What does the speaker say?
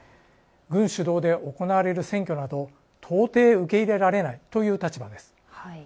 軍主導で行われる選挙など到底受け入れられないという立場です。